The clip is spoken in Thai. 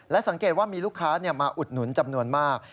สังเกตว่ามีลูกค้ามาอุดหนุนจำนวนมาก